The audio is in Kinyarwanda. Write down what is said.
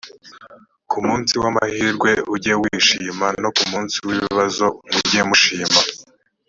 ku munsi w’amahirwe ujye wishima no ku munsi w’ibibazo mujye mushima